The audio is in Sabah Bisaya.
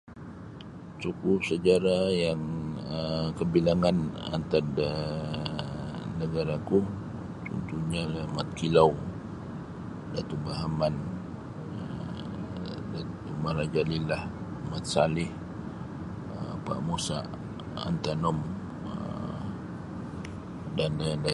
Tokoh sejarah yang um kabilangan antad da nagara ku contohnya lah Mat Kilau, Dato Bahaman, um Dato Maharajalela, Mat Salleh, um Pa Musa, um Antanom um dan lain-lain.